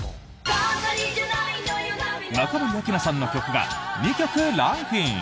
中森明菜さんの曲が２曲ランクイン！